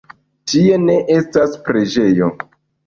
Tie ne estas preĝejo.